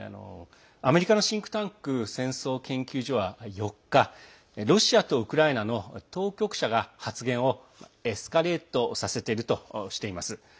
アメリカのシンクタンク戦争研究所は４日ロシアとウクライナの当局者が発言をエスカレートさせているとしています。